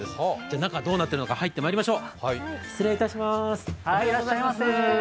中がどうなっているのか入ってまいりましょう。